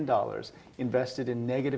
dengan harga yang negatif